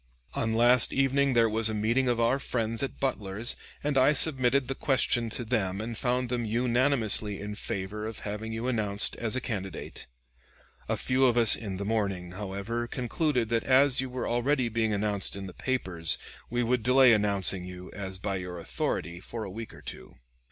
On last evening there was a meeting of our friends at Butler's, and I submitted the question to them and found them unanimously in favor of having you announced as a candidate. A few of us this morning, however, concluded that as you were already being announced in the papers we would delay announcing you, as by your authority, for a week or two.